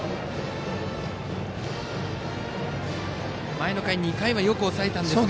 前の回、２回はよく抑えたんですが。